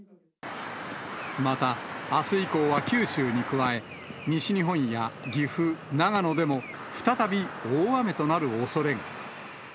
また、あす以降は九州に加え、西日本や岐阜、長野でも再び大雨となるおそれが。